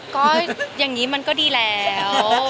ก็อย่างนี้มันก็ดีแล้ว